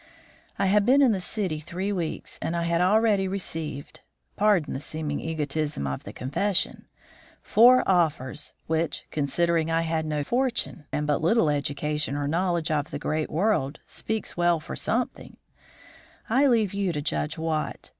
I had been in the city three weeks, and I had already received pardon the seeming egotism of the confession four offers, which, considering I had no fortune and but little education or knowledge of the great world, speaks well for something: I leave you to judge what.